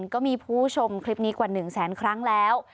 ก็มีผู้ชมคลิปนี้กว่า๑แสนครั้งแล้ว